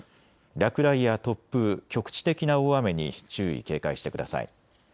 落雷や突風、局地的な大雨に注意、警戒してください。